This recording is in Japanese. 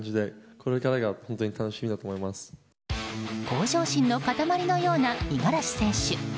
向上心の塊のような五十嵐選手。